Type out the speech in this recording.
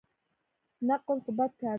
نقل خو بد کار دئ.